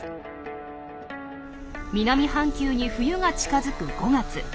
南半球に冬が近づく５月。